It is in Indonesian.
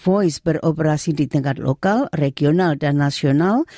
voice beroperasi di tingkat lokal regional dan nasional